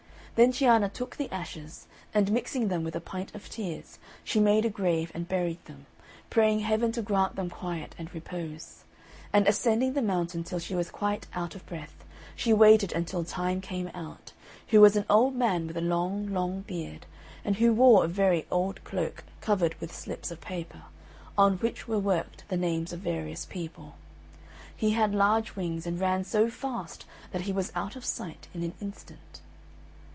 Then Cianna took the ashes, and mixing them with a pint of tears, she made a grave and buried them, praying Heaven to grant them quiet and repose. And ascending the mountain till she was quite out of breath, she waited until Time came out, who was an old man with a long, long beard, and who wore a very old cloak covered with slips of paper, on which were worked the names of various people. He had large wings, and ran so fast that he was out of sight in an instant.